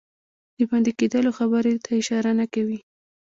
د بندي کېدلو خبري ته اشاره نه کوي.